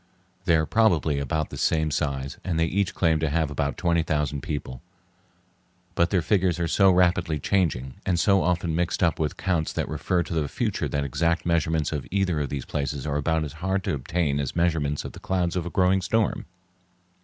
They are probably about the same size and they each claim to have about twenty thousand people; but their figures are so rapidly changing, and so often mixed up with counts that refer to the future that exact measurements of either of these places are about as hard to obtain as measurements of the clouds of a growing storm.